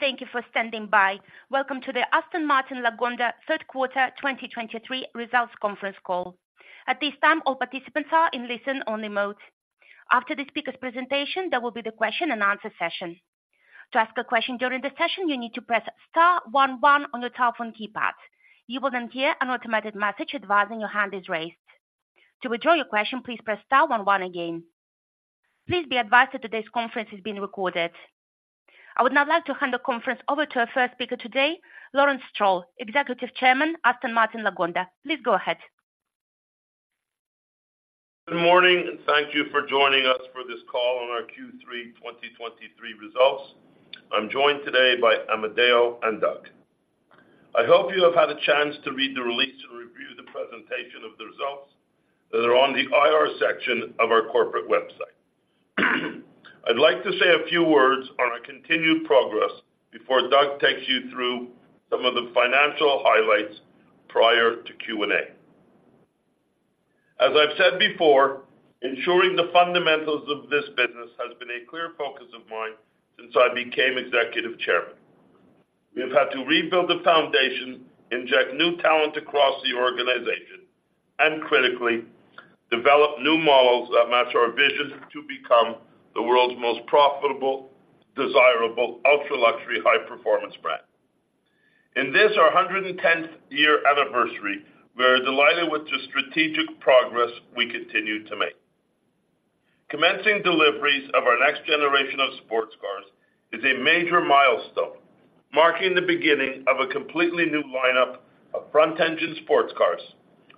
Thank you for standing by. Welcome to the Aston Martin Lagonda third quarter 2023 results conference call. At this time, all participants are in listen-only mode. After the speaker's presentation, there will be the question and answer session. To ask a question during the session, you need to press star one one on your telephone keypad. You will then hear an automated message advising your hand is raised. To withdraw your question, please press star one one again. Please be advised that today's conference is being recorded. I would now like to hand the conference over to our first speaker today, Lawrence Stroll, Executive Chairman, Aston Martin Lagonda. Please go ahead. Good morning, and thank you for joining us for this call on our Q3 2023 results. I'm joined today by Amedeo and Doug. I hope you have had a chance to read the release and review the presentation of the results that are on the IR section of our corporate website. I'd like to say a few words on our continued progress before Doug takes you through some of the financial highlights prior to Q&A. As I've said before, ensuring the fundamentals of this business has been a clear focus of mine since I became Executive Chairman. We have had to rebuild the foundation, inject new talent across the organization, and critically, develop new models that match our vision to become the world's most profitable, desirable, ultra-luxury, high-performance brand. In this, our 110th year anniversary, we are delighted with the strategic progress we continue to make. Commencing deliveries of our next generation of sports cars is a major milestone, marking the beginning of a completely new lineup of front-engine sports cars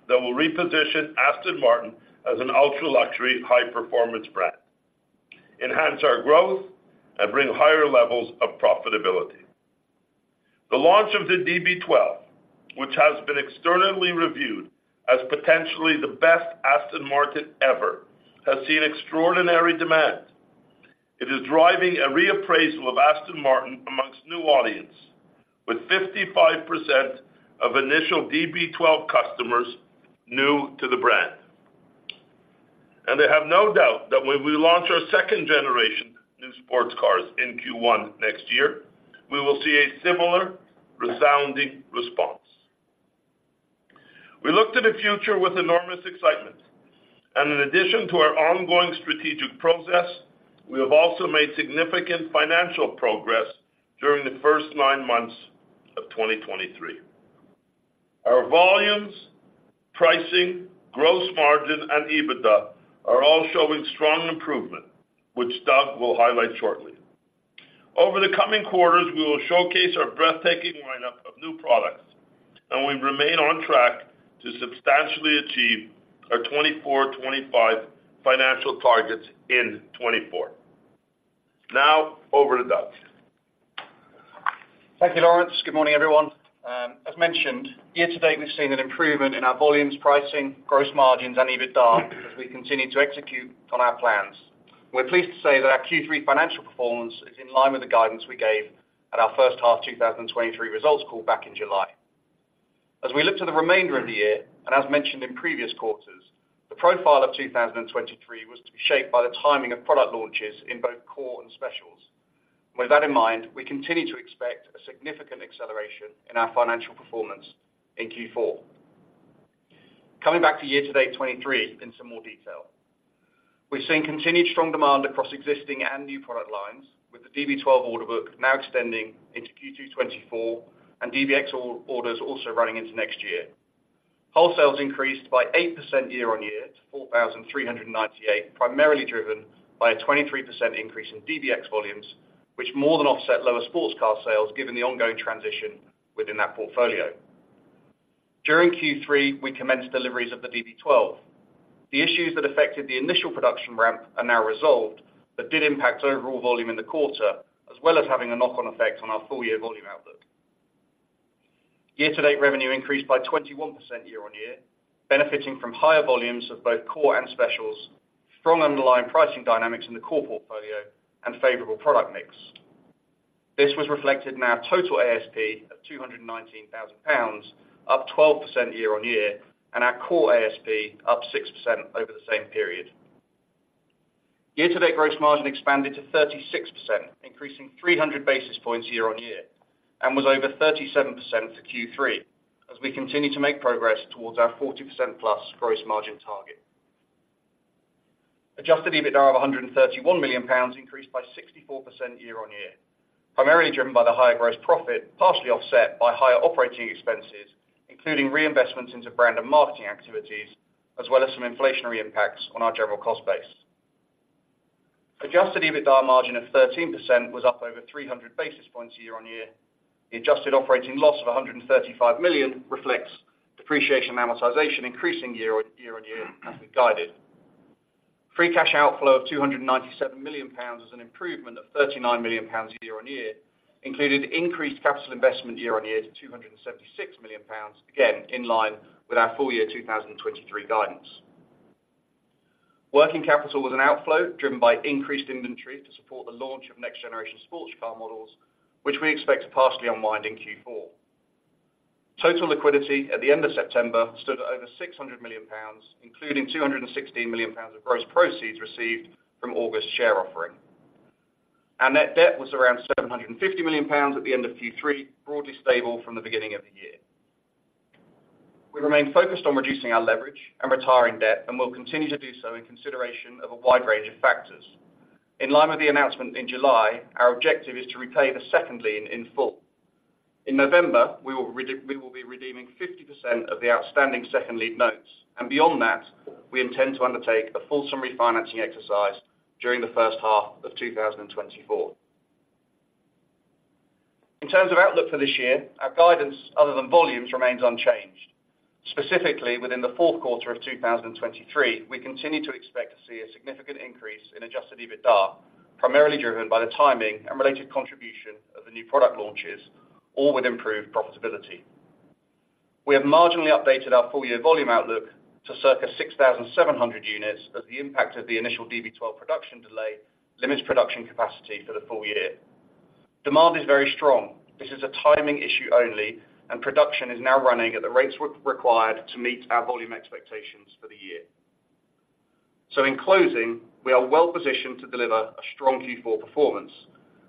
that will reposition Aston Martin as an ultra-luxury, high-performance brand, enhance our growth, and bring higher levels of profitability. The launch of the DB12, which has been externally reviewed as potentially the best Aston Martin ever, has seen extraordinary demand. It is driving a reappraisal of Aston Martin among new audience, with 55% of initial DB12 customers new to the brand. And I have no doubt that when we launch our second generation new sports cars in Q1 next year, we will see a similar resounding response. We look to the future with enormous excitement, and in addition to our ongoing strategic progress, we have also made significant financial progress during the first nine months of 2023. Our volumes, pricing, gross margin, and EBITDA are all showing strong improvement, which Doug will highlight shortly. Over the coming quarters, we will showcase our breathtaking lineup of new products, and we remain on track to substantially achieve our 2024, 2025 financial targets in 2024. Now, over to Doug. Thank you, Lawrence. Good morning, everyone. As mentioned, year-to-date, we've seen an improvement in our volumes, pricing, gross margins, and EBITDA as we continue to execute on our plans. We're pleased to say that our Q3 financial performance is in line with the guidance we gave at our first half 2023 results call back in July. As we look to the remainder of the year, and as mentioned in previous quarters, the profile of 2023 was to be shaped by the timing of product launches in both core and specials. With that in mind, we continue to expect a significant acceleration in our financial performance in Q4. Coming back to year-to-date 2023 in some more detail. We've seen continued strong demand across existing and new product lines, with the DB12 order book now extending into Q2 2024, and DBX orders also running into next year. Wholesales increased by 8% year-over-year to 4,398, primarily driven by a 23% increase in DBX volumes, which more than offset lower sports car sales, given the ongoing transition within that portfolio. During Q3, we commenced deliveries of the DB12. The issues that affected the initial production ramp are now resolved, but did impact overall volume in the quarter, as well as having a knock-on effect on our full-year volume outlook. Year-to-date revenue increased by 21% year-over-year, benefiting from higher volumes of both core and specials, strong underlying pricing dynamics in the core portfolio, and favorable product mix. This was reflected in our total ASP of 219 thousand pounds, up 12% year-on-year, and our core ASP up 6% over the same period. Year-to-date gross margin expanded to 36%, increasing 300 basis points year-on-year, and was over 37% for Q3, as we continue to make progress towards our 40%+ gross margin target. Adjusted EBITDA of 131 million pounds increased by 64% year-on-year, primarily driven by the higher gross profit, partially offset by higher operating expenses, including reinvestments into brand and marketing activities, as well as some inflationary impacts on our general cost base. Adjusted EBITDA margin of 13% was up over 300 basis points year-on-year. The adjusted operating loss of 135 million reflects depreciation and amortization increasing year on year, as we guided. Free cash outflow of 297 million pounds is an improvement of 39 million pounds year on year, including increased capital investment year on year to 276 million pounds, again, in line with our full year 2023 guidance. Working capital was an outflow driven by increased inventory to support the launch of next generation sports car models, which we expect to partially unwind in Q4. Total liquidity at the end of September stood at over 600 million pounds, including 216 million pounds of gross proceeds received from August's share offering. Our net debt was around 750 million pounds at the end of Q3, broadly stable from the beginning of the year. We remain focused on reducing our leverage and retiring debt, and we'll continue to do so in consideration of a wide range of factors. In line with the announcement in July, our objective is to repay the second lien in full. In November, we will be redeeming 50% of the outstanding Second Lien Notes, and beyond that, we intend to undertake a full summary refinancing exercise during the first half of 2024. In terms of outlook for this year, our guidance, other than volumes, remains unchanged. Specifically, within the fourth quarter of 2023, we continue to expect to see a significant increase in adjusted EBITDA, primarily driven by the timing and related contribution of the new product launches, all with improved profitability. We have marginally updated our full year volume outlook to circa 6,700 units, as the impact of the initial DB12 production delay limits production capacity for the full year. Demand is very strong. This is a timing issue only, and production is now running at the rates required to meet our volume expectations for the year. So in closing, we are well positioned to deliver a strong Q4 performance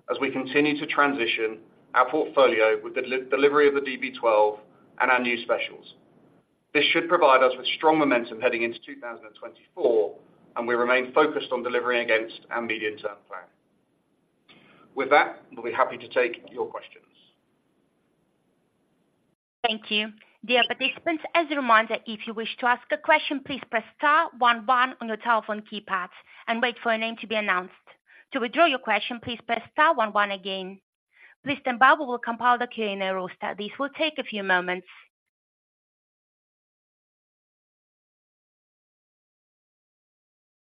as we continue to transition our portfolio with the delivery of the DB12 and our new specials. This should provide us with strong momentum heading into 2024, and we remain focused on delivering against our medium-term plan. With that, we'll be happy to take your questions. Thank you. Dear participants, as a reminder, if you wish to ask a question, please press star one one on your telephone keypad and wait for your name to be announced. To withdraw your question, please press star one one again. Please stand by, we will compile the Q&A roster. This will take a few moments.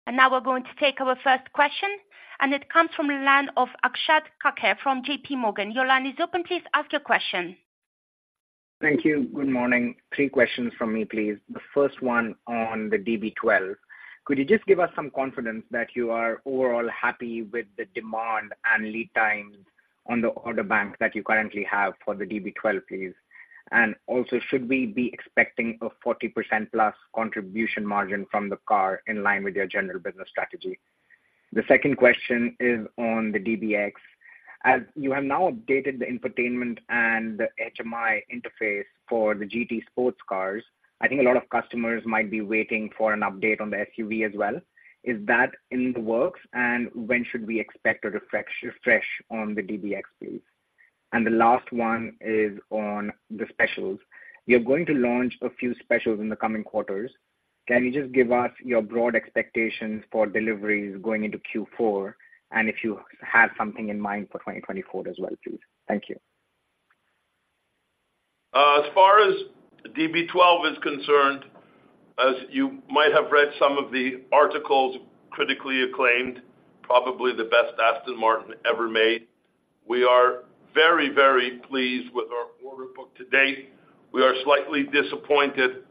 And now we're going to take our first question, and it comes from the line of Akshat Kacker from JPMorgan. Your line is open. Please ask your question. Thank you. Good morning. Three questions from me, please. The first one on the DB12. Could you just give us some confidence that you are overall happy with the demand and lead times on the order bank that you currently have for the DB12, please? And also, should we be expecting a 40%+ contribution margin from the car in line with your general business strategy? The second question is on the DBX. As you have now updated the infotainment and the HMI interface for the GT sports cars, I think a lot of customers might be waiting for an update on the SUV as well. Is that in the works? And when should we expect a refresh, refresh on the DBX, please? And the last one is on the specials. You're going to launch a few specials in the coming quarters. Can you just give us your broad expectations for deliveries going into Q4, and if you have something in mind for 2024 as well, please? Thank you. As far as DB12 is concerned, as you might have read some of the articles, critically acclaimed, probably the best Aston Martin ever made. We are very, very pleased with our order book to date. We are slightly disappointed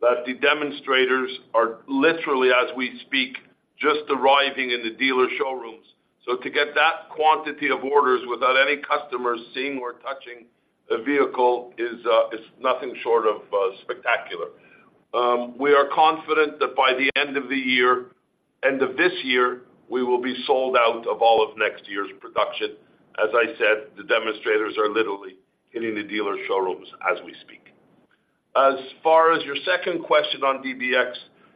that the demonstrators are literally, as we speak, just arriving in the dealer showrooms. So to get that quantity of orders without any customers seeing or touching a vehicle is nothing short of spectacular. We are confident that by the end of the year, end of this year, we will be sold out of all of next year's production. As I said, the demonstrators are literally hitting the dealer showrooms as we speak. As far as your second question on DBX,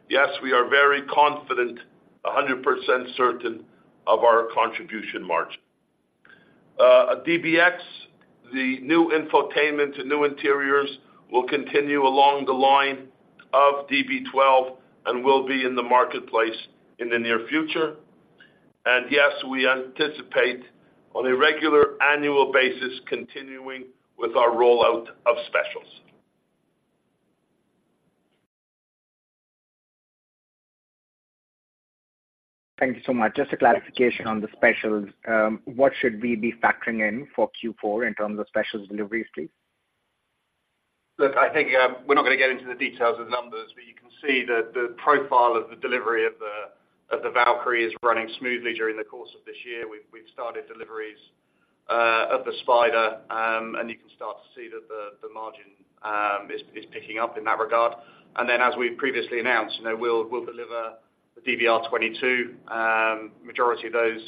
yes, we are very confident, 100% certain of our contribution margin. At DBX, the new infotainment and new interiors will continue along the line of DB12 and will be in the marketplace in the near future. And yes, we anticipate on a regular annual basis continuing with our rollout of specials. Thank you so much. Just a clarification on the specials. What should we be factoring in for Q4 in terms of specials deliveries, please? Look, I think, we're not going to get into the details of numbers, but you can see that the profile of the delivery of the, of the Valkyrie is running smoothly during the course of this year. We've started deliveries of the Spider, and you can start to see that the margin is picking up in that regard. And then, as we previously announced, you know, we'll deliver the DBR22 majority of those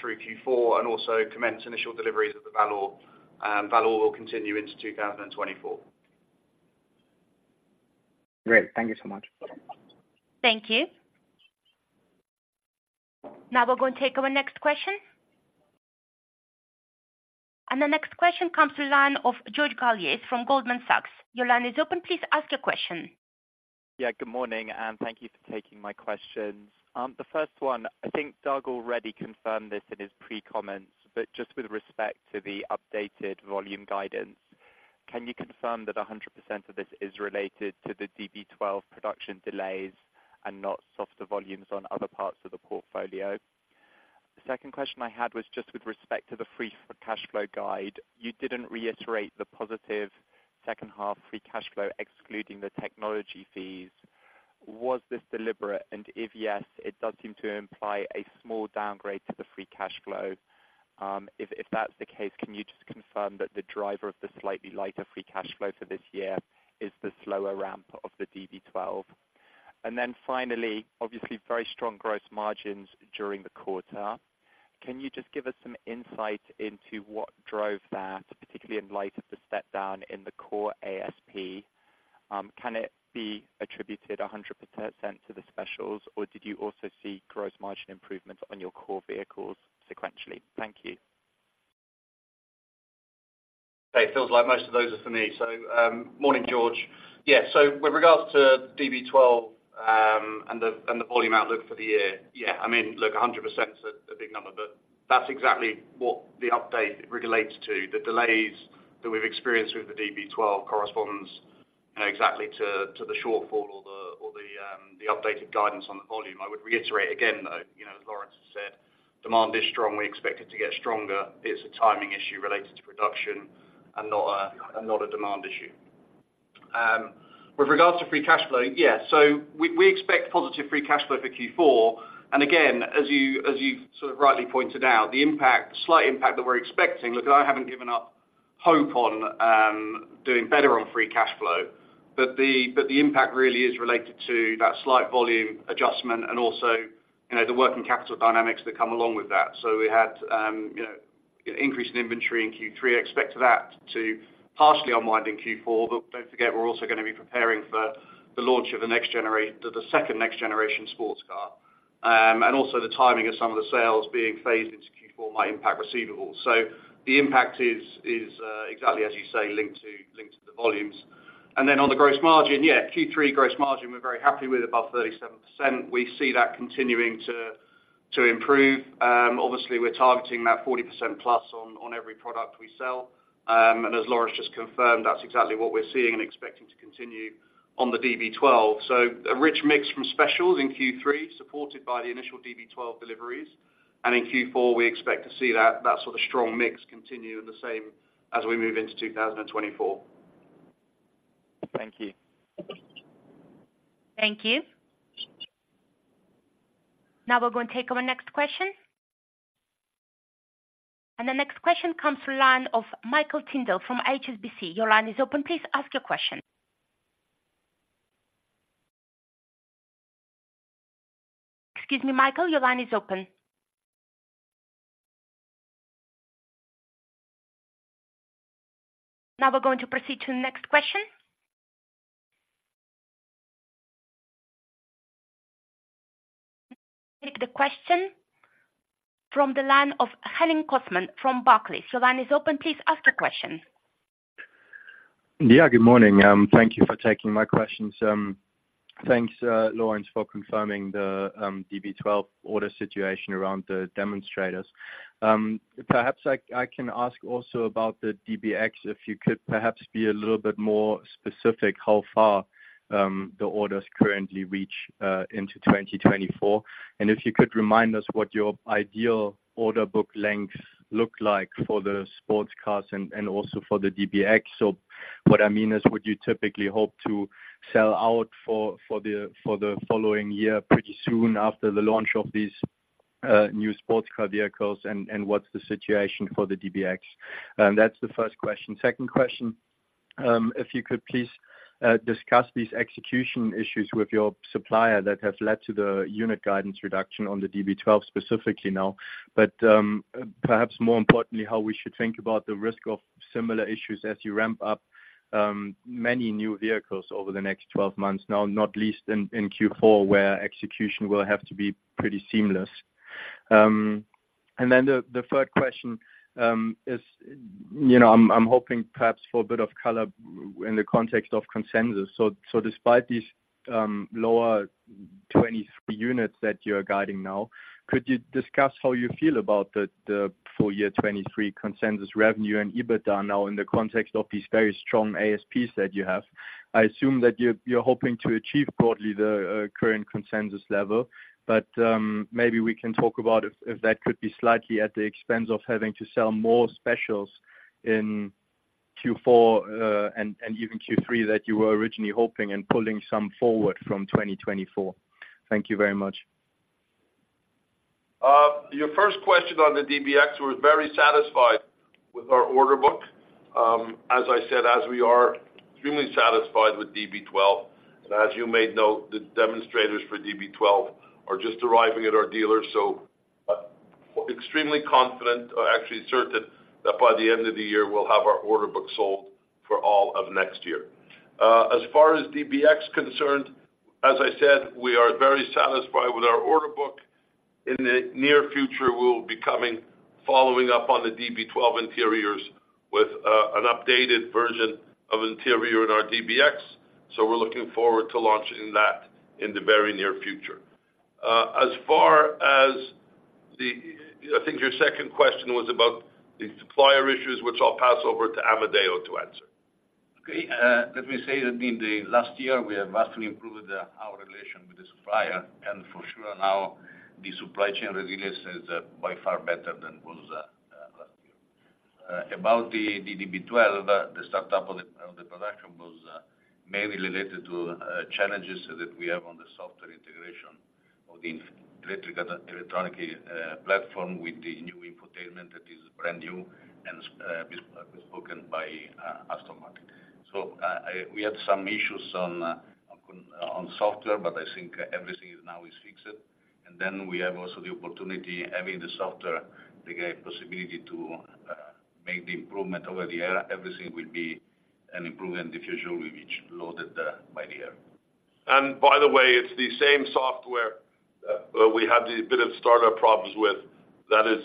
through Q4, and also commence initial deliveries of the Valour. Valour will continue into 2024. Great. Thank you so much. Thank you. Now we're going to take our next question. The next question comes to the line of George Galliers from Goldman Sachs. Your line is open. Please ask your question. Yeah, good morning, and thank you for taking my questions. The first one, I think Doug already confirmed this in his pre-comments, but just with respect to the updated volume guidance, can you confirm that 100% of this is related to the DB12 production delays and not softer volumes on other parts of the portfolio? The second question I had was just with respect to the free cash flow guide. You didn't reiterate the positive second half free cash flow, excluding the technology fees... Was this deliberate? And if yes, it does seem to imply a small downgrade to the free cash flow. If that's the case, can you just confirm that the driver of the slightly lighter free cash flow for this year is the slower ramp of the DB12? And then finally, obviously, very strong gross margins during the quarter. Can you just give us some insight into what drove that, particularly in light of the step down in the core ASP? Can it be attributed 100% to the specials, or did you also see gross margin improvements on your core vehicles sequentially? Thank you. It feels like most of those are for me. So, morning, George. Yeah, so with regards to DB12, and the volume outlook for the year, yeah, I mean, look, 100% is a big number, but that's exactly what the update relates to. The delays that we've experienced with the DB12 corresponds, you know, exactly to the shortfall or the updated guidance on the volume. I would reiterate again, though, you know, as Lawrence has said, demand is strong. We expect it to get stronger. It's a timing issue related to production and not a demand issue. With regards to free cash flow, yeah, so we expect positive free cash flow for Q4. And again, as you sort of rightly pointed out, the slight impact that we're expecting, look, I haven't given up hope on doing better on Free Cash Flow. But the impact really is related to that slight volume adjustment and also, you know, the working capital dynamics that come along with that. So we had, you know, increase in inventory in Q3. Expect that to partially unwind in Q4, but don't forget, we're also going to be preparing for the launch of the next generation, the second next generation sports car. And also the timing of some of the sales being phased into Q4 might impact receivables. So the impact is exactly, as you say, linked to the volumes. And then on the Gross Margin, yeah, Q3 Gross Margin, we're very happy with above 37%. We see that continuing to improve. Obviously, we're targeting that 40%+ on every product we sell. And as Lawrence just confirmed, that's exactly what we're seeing and expecting to continue on the DB12. So a rich mix from specials in Q3, supported by the initial DB12 deliveries. And in Q4, we expect to see that sort of strong mix continue in the same as we move into 2024. Thank you. Thank you. Now we're going to take our next question. The next question comes from the line of Michael Tyndall from HSBC. Your line is open. Please ask your question. Excuse me, Michael, your line is open. Now we're going to proceed to the next question. Take the question from the line of Henning Cosman from Barclays. Your line is open. Please ask a question. Yeah, good morning. Thank you for taking my questions. Thanks, Lawrence, for confirming the DB12 order situation around the demonstrators. Perhaps I, I can ask also about the DBX, if you could perhaps be a little bit more specific, how far the orders currently reach into 2024. And if you could remind us what your ideal order book lengths look like for the sports cars and also for the DBX. So what I mean is, would you typically hope to sell out for the following year pretty soon after the launch of these new sports car vehicles, and what's the situation for the DBX? That's the first question. Second question, if you could please, discuss these execution issues with your supplier that have led to the unit guidance reduction on the DB12, specifically now. But, perhaps more importantly, how we should think about the risk of similar issues as you ramp up, many new vehicles over the next 12 months now, not least in Q4, where execution will have to be pretty seamless. And then the third question, is, you know, I'm hoping perhaps for a bit of color in the context of consensus. So, despite these, lower 23 units that you're guiding now, could you discuss how you feel about the full year 2023 consensus revenue and EBITDA now in the context of these very strong ASPs that you have? I assume that you're hoping to achieve broadly the current consensus level, but maybe we can talk about if that could be slightly at the expense of having to sell more specials in Q4 and even Q3 that you were originally hoping and pulling some forward from 2024. Thank you very much. Your first question on the DBX, we're very satisfied with our order book. As I said, as we are extremely satisfied with DB12, and as you may note, the demonstrators for DB12 are just arriving at our dealers, so extremely confident or actually certain, that by the end of the year, we'll have our order book sold for all of next year. As far as DBX concerned, as I said, we are very satisfied with our order book. In the near future, we will be coming, following up on the DB12 interiors with an updated version of interior in our DBX. So we're looking forward to launching that in the very near future. As far as the... I think your second question was about the supplier issues, which I'll pass over to Amedeo to answer. Okay, let me say that in the last year, we have vastly improved our relation with the supplier, and for sure now, the supply chain resilience is by far better than it was. About the DB12, the startup of the production was mainly related to challenges that we have on the software integration of the electric, electronic platform with the new infotainment that is brand new and is spoken by Aston Martin. So, we had some issues on software, but I think everything is now fixed. And then we have also the opportunity, having the software, the possibility to make the improvement over the air. Everything will be an improvement diffusion, with each loaded by the air. And by the way, it's the same software we had the bit of startup problems with that is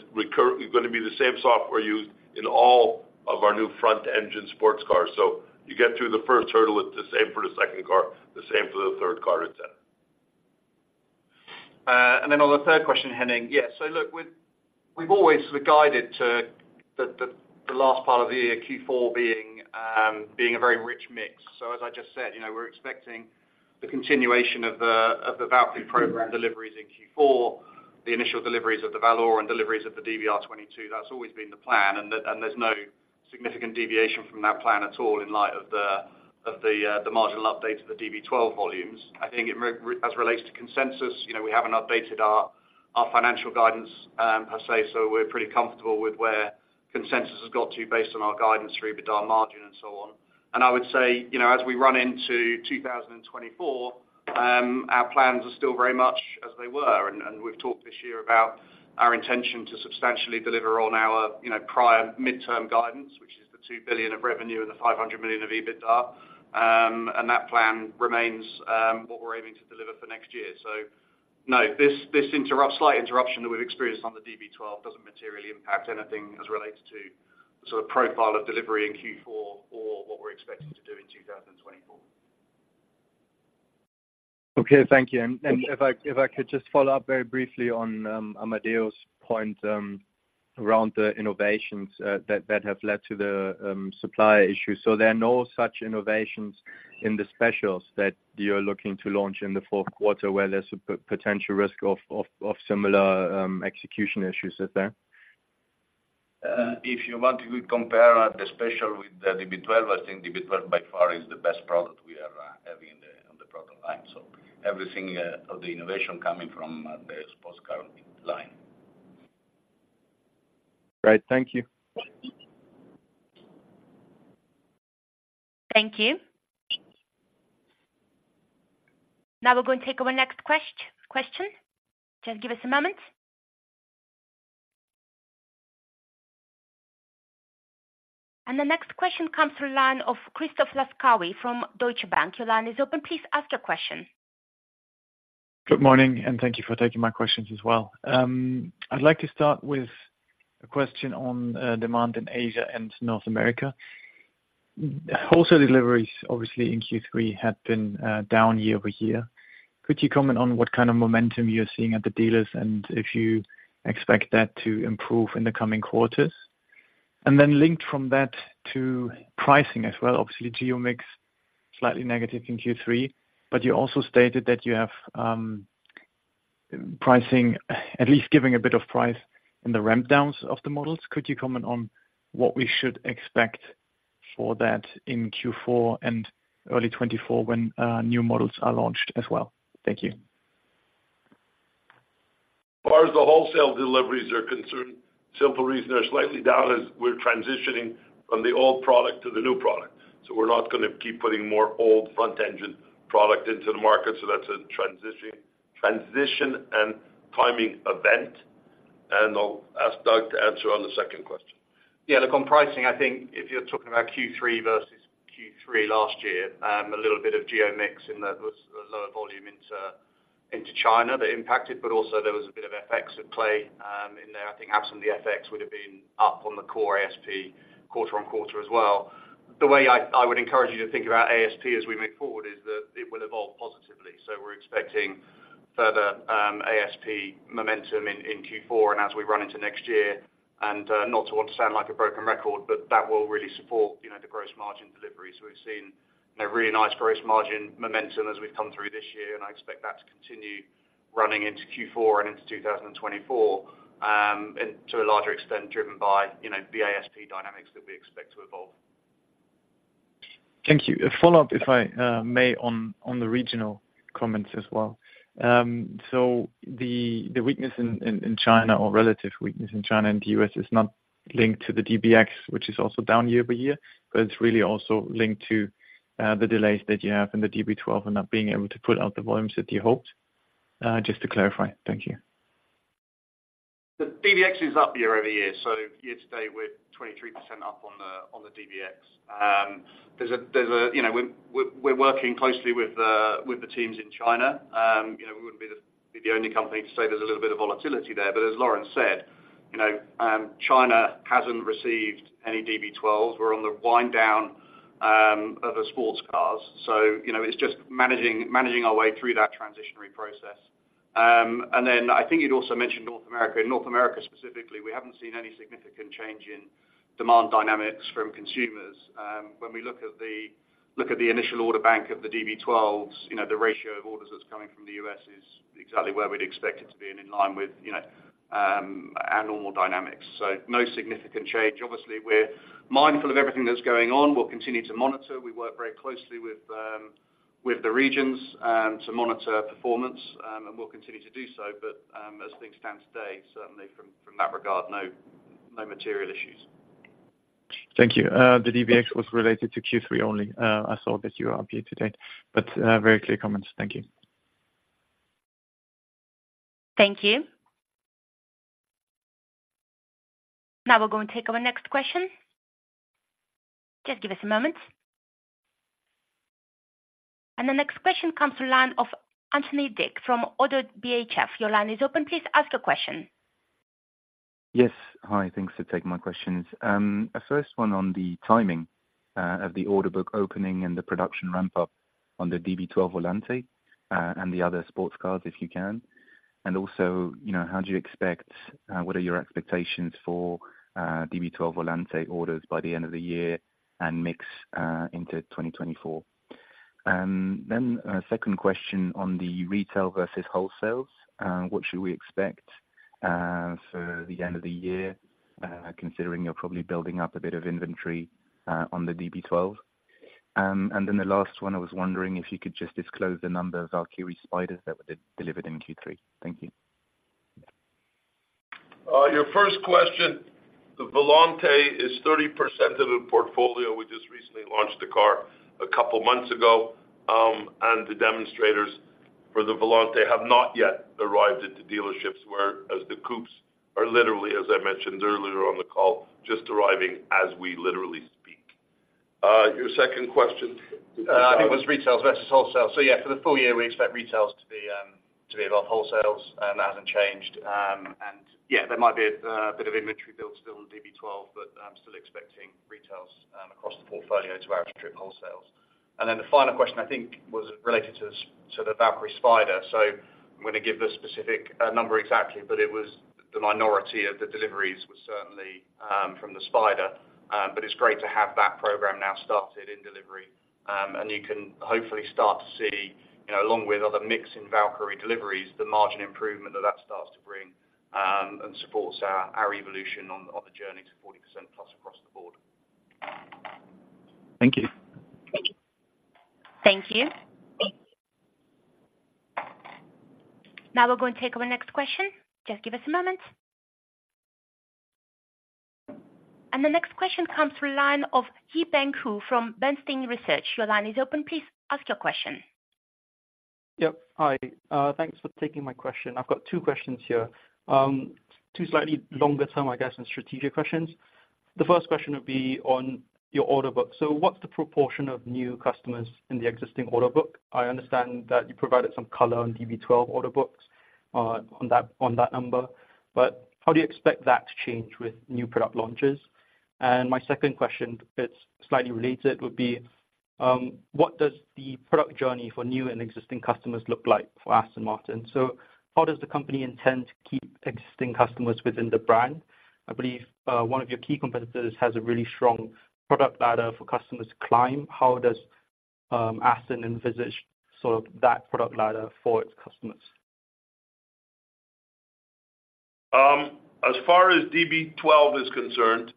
gonna be the same software used in all of our new front-engine sports cars. So you get through the first hurdle, it's the same for the second car, the same for the third car, etcetera. And then on the third question, Henning, yeah. So look, we've always guided to the last part of the year, Q4 being a very rich mix. So as I just said, you know, we're expecting the continuation of the Valkyrie program deliveries in Q4, the initial deliveries of the Valor and deliveries of the DBR22. That's always been the plan, and there's no significant deviation from that plan at all in light of the marginal update to the DB12 volumes. I think, as relates to consensus, you know, we haven't updated our financial guidance per se, so we're pretty comfortable with where consensus has got to, based on our guidance for EBITDA margin and so on. I would say, you know, as we run into 2024, our plans are still very much as they were. And we've talked this year about our intention to substantially deliver on our, you know, prior midterm guidance, which is the 2 billion of revenue and the 500 million of EBITDA. And that plan remains, what we're aiming to deliver for next year. So no, this slight interruption that we've experienced on the DB12 doesn't materially impact anything as relates to the sort of profile of delivery in Q4 or what we're expecting to do in 2024. Okay, thank you. And if I could just follow up very briefly on Amedeo's point around the innovations that have led to the supply issues. So there are no such innovations in the specials that you're looking to launch in the fourth quarter, where there's a potential risk of similar execution issues, is there? If you want to compare the special with the DB12, I think DB12 by far is the best product we are having in the, on the product line. So everything of the innovation coming from the sports car line. Great, thank you. Thank you. Now we're going to take our next question. Just give us a moment. The next question comes from the line of Christoph Laskawi from Deutsche Bank. Your line is open. Please ask your question. Good morning, and thank you for taking my questions as well. I'd like to start with a question on demand in Asia and North America. Wholesale deliveries, obviously in Q3, had been down year-over-year. Could you comment on what kind of momentum you're seeing at the dealers, and if you expect that to improve in the coming quarters? And then linked from that to pricing as well. Obviously, geo mix, slightly negative in Q3, but you also stated that you have pricing, at least giving a bit of price in the ramp downs of the models. Could you comment on what we should expect for that in Q4 and early 2024, when new models are launched as well? Thank you. As far as the wholesale deliveries are concerned, simple reason they're slightly down is we're transitioning from the old product to the new product, so we're not gonna keep putting more old front-engine product into the market. So that's a transitioning, transition and timing event. And I'll ask Doug to answer on the second question. Yeah, look, on pricing, I think if you're talking about Q3 versus Q3 last year, a little bit of geo mix in that was a lower volume into China that impacted, but also there was a bit of FX at play in there. I think absent the FX would have been up on the core ASP quarter-on-quarter as well. The way I would encourage you to think about ASP as we move forward is that it will evolve positively. So we're expecting further ASP momentum in Q4 and as we run into next year. And not to want to sound like a broken record, but that will really support, you know, the gross margin deliveries. We've seen a really nice gross margin momentum as we've come through this year, and I expect that to continue running into Q4 and into 2024, and to a larger extent, driven by, you know, the ASP dynamics that we expect to evolve. Thank you. A follow-up, if I may, on the regional comments as well. So the weakness in China or relative weakness in China and the US is not linked to the DBX, which is also down year-over-year, but it's really also linked to the delays that you have in the DB12 and not being able to put out the volumes that you hoped? Just to clarify. Thank you. The DBX is up year-over-year, so year to date, we're 23% up on the DBX. There's a, you know, we're working closely with the teams in China. You know, we wouldn't be the only company to say there's a little bit of volatility there. But as Lawrence said, you know, China hasn't received any DB12s. We're on the wind down of the sports cars. So, you know, it's just managing our way through that transitionary process. And then I think you'd also mentioned North America. In North America specifically, we haven't seen any significant change in demand dynamics from consumers. When we look at the. Look at the initial order bank of the DB12s, you know, the ratio of orders that's coming from the U.S. is exactly where we'd expect it to be and in line with, you know, our normal dynamics. So no significant change. Obviously, we're mindful of everything that's going on. We'll continue to monitor. We work very closely with, with the regions, to monitor performance, and we'll continue to do so. But, as things stand today, certainly from, from that regard, no, no material issues. Thank you. The DBX was related to Q3 only. I saw that you are up to date, but, very clear comments. Thank you. Thank you. Now we're going to take our next question. Just give us a moment. The next question comes to the line of Anthony from Oddo BHF. Your line is open. Please ask your question. Yes. Hi, thanks for taking my questions. A first one on the timing of the order book opening and the production ramp-up on the DB12 Volante and the other sports cars, if you can. And also, you know, what are your expectations for DB12 Volante orders by the end of the year and mix into 2024? Then, second question on the retail versus wholesale. What should we expect for the end of the year, considering you're probably building up a bit of inventory on the DB12? And then the last one, I was wondering if you could just disclose the number of Valkyrie Spiders that were delivered in Q3. Thank you. Your first question, the Volante is 30% of the portfolio. We just recently launched the car a couple of months ago, and the demonstrators for the Volante have not yet arrived at the dealerships, whereas the coupes are literally, as I mentioned earlier on the call, just arriving as we literally speak. Your second question? I think it was retails versus wholesale. So yeah, for the full year, we expect retails to be, to be above wholesales, and that hasn't changed. And yeah, there might be a, bit of inventory build still on DB12, but I'm still expecting retails, across the portfolio to outstrip wholesales. And then the final question, I think, was related to the, to the Valkyrie Spider. So I'm gonna give the specific, number exactly, but it was the minority of the deliveries was certainly, from the Spider. But it's great to have that program now started in delivery. And you can hopefully start to see, you know, along with other mix in Valkyrie deliveries, the margin improvement that that starts to bring, and supports our, our evolution on, on the journey to 40%+ across the board. Thank you. Thank you. Now we're going to take our next question. Just give us a moment. The next question comes through line of Yiben Ku from Bernstein Research. Your line is open. Please ask your question. Yep, hi. Thanks for taking my question. I've got two questions here. Two slightly longer term, I guess, and strategic questions. The first question would be on your order book. So what's the proportion of new customers in the existing order book? I understand that you provided some color on DB12 order books, on that number. But how do you expect that to change with new product launches? And my second question, it's slightly related, would be, what does the product journey for new and existing customers look like for Aston Martin? So how does the company intend to keep existing customers within the brand? I believe, one of your key competitors has a really strong product ladder for customers to climb. How does, Aston envisage sort of that product ladder for its customers? As far as DB12 is concerned,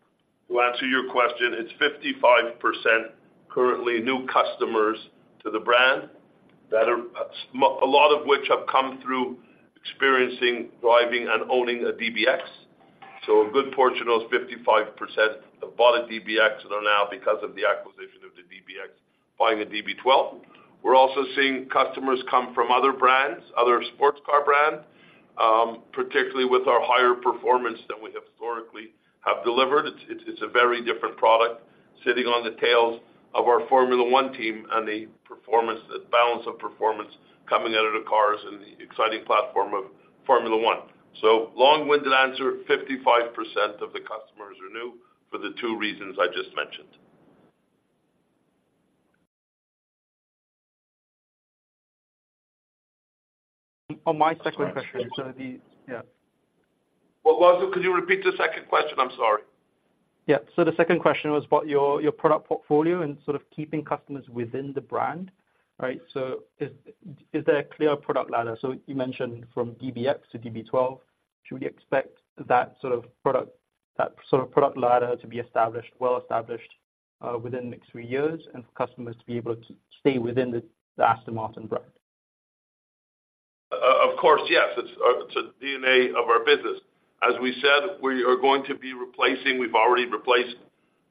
to answer your question, it's 55% currently new customers to the brand, that are a lot of which have come through experiencing, driving, and owning a DBX. So a good portion of those 55% have bought a DBX and are now, because of the acquisition of the DBX, buying a DB12. We're also seeing customers come from other brands, other sports car brands, particularly with our higher performance than we historically have delivered. It's a very different product, sitting on the tails of our Formula One team and the performance, the balance of performance coming out of the cars and the exciting platform of Formula One. So long-winded answer, 55% of the customers are new for the two reasons I just mentioned. On my second question, yeah. What was it? Could you repeat the second question? I'm sorry. Yeah. So the second question was about your product portfolio and sort of keeping customers within the brand, right? So is there a clear product ladder? So you mentioned from DBX to DB12, should we expect that sort of product ladder to be established, well established, within the next three years, and for customers to be able to keep, stay within the Aston Martin brand? Of course, yes, it's a DNA of our business. As we said, we are going to be replacing, we've already replaced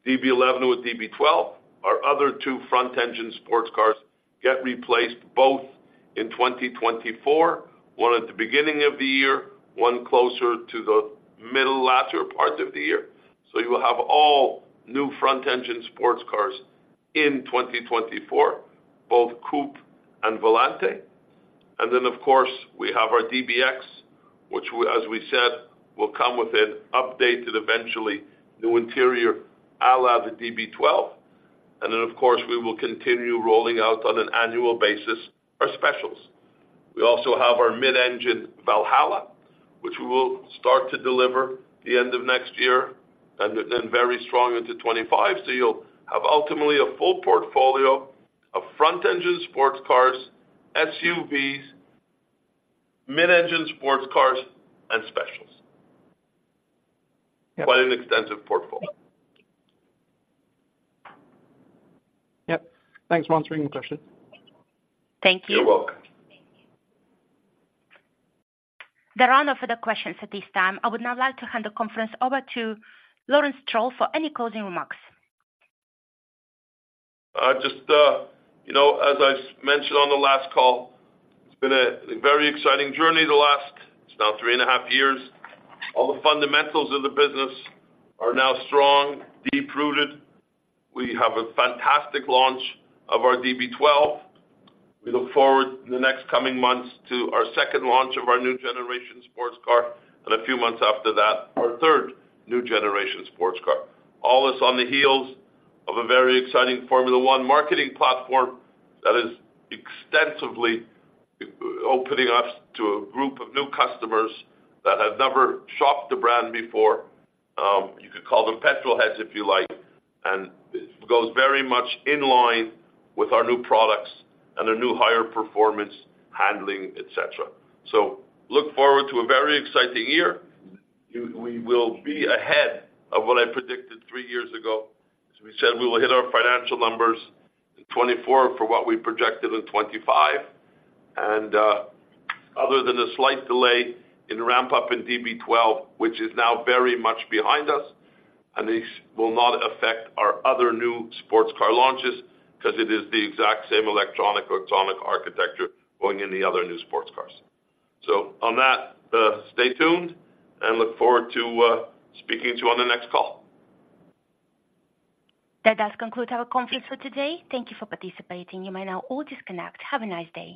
DB11 with DB12. Our other two front-engine sports cars get replaced both in 2024, one at the beginning of the year, one closer to the middle latter parts of the year. So you will have all new front-engine sports cars in 2024, both coupe and Volante. And then, of course, we have our DBX, which as we said, will come with an updated, eventually, new interior a la the DB12. And then, of course, we will continue rolling out on an annual basis, our specials.... We also have our mid-engine, Valhalla, which we will start to deliver the end of next year and very strong into 2025. You'll have ultimately a full portfolio of front-engine sports cars, SUVs, mid-engine sports cars, and specials. Yep. Quite an extensive portfolio. Yep. Thanks for answering the question. Thank you. You're welcome. There are no further questions at this time. I would now like to hand the conference over to Lawrence Stroll for any closing remarks. I just, you know, as I mentioned on the last call, it's been a very exciting journey the last, it's now three and a half years. All the fundamentals of the business are now strong, deep-rooted. We have a fantastic launch of our DB12. We look forward in the next coming months to our second launch of our new generation sports car, and a few months after that, our third new generation sports car. All this on the heels of a very exciting Formula One marketing platform that is extensively opening us to a group of new customers that have never shopped the brand before. You could call them petrol heads, if you like, and it goes very much in line with our new products and a new higher performance handling, et cetera. So look forward to a very exciting year. We will be ahead of what I predicted three years ago, as we said, we will hit our financial numbers in 2024 for what we projected in 2025. Other than a slight delay in ramp-up in DB12, which is now very much behind us, and this will not affect our other new sports car launches because it is the exact same electronic architecture going in the other new sports cars. So on that, stay tuned, and look forward to speaking to you on the next call. That does conclude our conference for today. Thank you for participating. You may now all disconnect. Have a nice day.